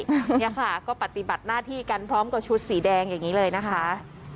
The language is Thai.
เนี่ยค่ะก็ปฏิบัติหน้าที่กันพร้อมกับชุดสีแดงอย่างนี้เลยนะคะ